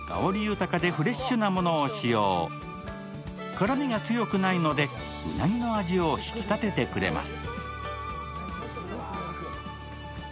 辛みが強くないのでうなぎの味を引き立ててくれます。